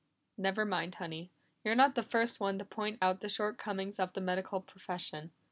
"Never mind, Honey. You're not the first one to point out the shortcomings of the medical profession.